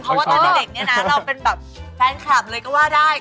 เพราะว่าตอนเด็กเนี่ยนะเราเป็นแบบแฟนคลับเลยก็ว่าได้